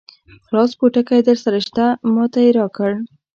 خلاص پوټکی درسره شته؟ ما ته یې راکړ.